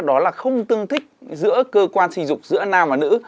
đó là không tương thích giữa cơ quan sinh dục giữa nam và nữ